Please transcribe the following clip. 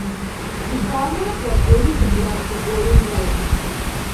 The format was very similar to Going Live!